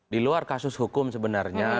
di luar kasus hukum sebenarnya